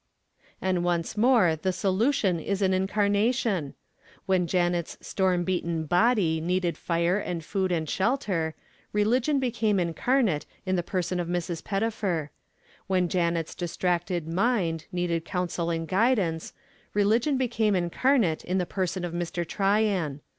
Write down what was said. _' And once more the solution is an incarnation! When Janet's storm beaten body needed fire and food and shelter, religion became incarnate in the person of Mrs. Pettifer. When Janet's distracted mind needed counsel and guidance, religion became incarnate in the person of Mr. Tryan.